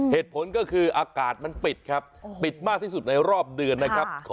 เหตุผลก็คืออากาศมันปิดครับปิดมากที่สุดในรอบเดือนนะครับ